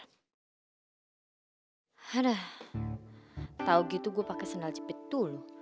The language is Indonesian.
aduh tau gitu gue pake sendal jepit dulu